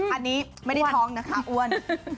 อันนี้ไม่ได้ท้องนะคะอ้วน